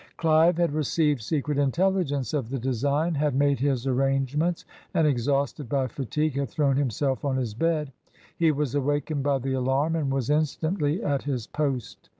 Clive had received secret intelligence of the design, had made his arrangements, and, exhausted by fatigue, had thrown himself on his bed. He was awakened by the alarm, and was instantly at his post.